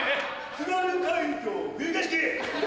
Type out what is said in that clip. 『津軽海峡冬景色』。